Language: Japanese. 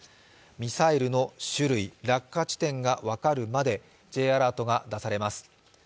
ミサイルの種類、落下地点が分かるまでＪアラートが出されます。